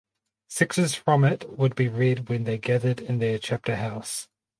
Sections from it would be read when they gathered in their chapter house.